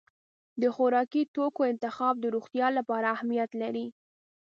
د خوراکي توکو انتخاب د روغتیا لپاره اهمیت لري.